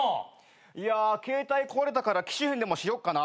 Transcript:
いや携帯壊れたから機種変でもしよっかな。